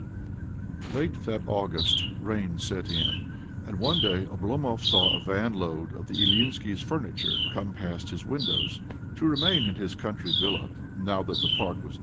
II Late that August rain set in, and, one day, Oblomov saw a vanload of the Ilyinskis' furniture come past his windows. To re main in his country villa, now that the park was